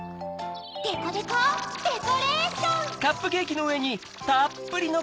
デコデコデコレーション！